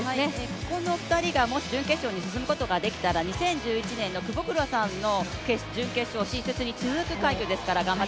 ここの２人がもし準決勝に出場できることができたら２０１１年の久保倉さんの準決勝進出に続くことになります。